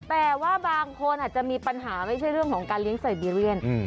แต่ว่าบางคนอาจจะมีปัญหาไม่ใช่เรื่องของการเลี้ยงไซเบียเรียน